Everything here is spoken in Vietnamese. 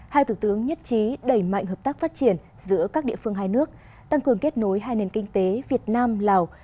hai thủ tướng nhất trí đẩy mạnh hợp tác phát triển giữa các địa phương hai nước tăng cường kết nối hai nền kinh tế việt nam lào